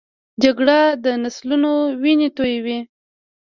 جګړه د نسلونو وینې تویوي